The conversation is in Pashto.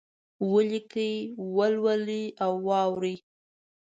ولیکئ، ولولئ او واورئ!